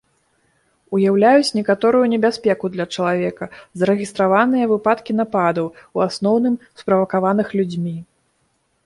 Уяўляюць некаторую небяспеку для чалавека, зарэгістраваныя выпадкі нападаў, у асноўным справакаваных людзьмі.